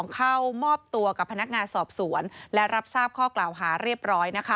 เข้ามอบตัวกับพนักงานสอบสวนและรับทราบข้อกล่าวหาเรียบร้อยนะคะ